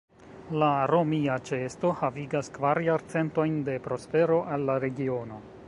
La romia ĉeesto havigas kvar jarcentojn de prospero al la regiono.